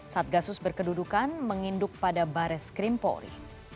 satgasus berkedudukan menginduk pada baris krim polri